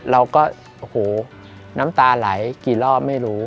เราก็โอ้โหน้ำตาไหลกี่รอบไม่รู้